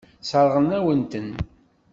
Sseṛɣent-awen-ten.